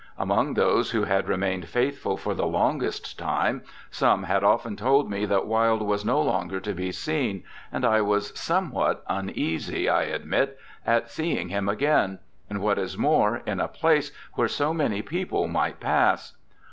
Among those who had remained faithful for the longest time, some had often told me that Wilde was no longer to be seen, and I was somewhat uneasy, I admit, at seeing him again, and what is more, in a place where so many people might pass.